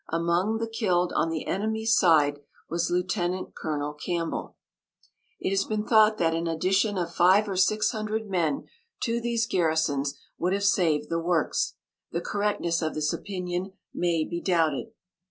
Among the killed on the enemy's side was Lieut. Col. Campbell. It has been thought that an addition of five or six hundred men to these garrisons would have saved the works; the correctness of this opinion may be doubted.